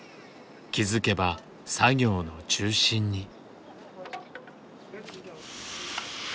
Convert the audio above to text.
気付けば作業の中心に。